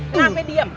nggak mau diam